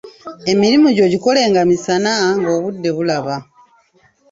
Emirimu gyo gikolenga misana ng'obudde bulaba.